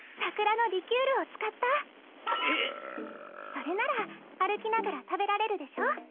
それなら歩きながら食べられるでしょ。